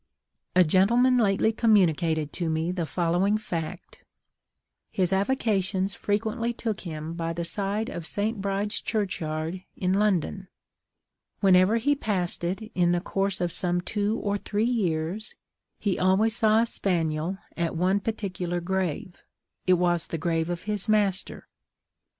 A gentleman lately communicated to me the following fact: His avocations frequently took him by the side of St. Bride's Churchyard, in London. Whenever he passed it, in the course of some two or three years, he always saw a spaniel at one particular grave it was the grave of his master.